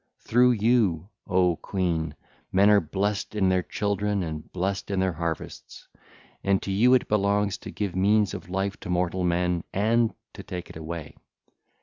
Through you, O queen, men are blessed in their children and blessed in their harvests, and to you it belongs to give means of life to mortal men and to take it away.